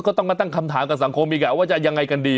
ก็ต้องมาตั้งคำถามกับสังคมอีกว่าจะยังไงกันดี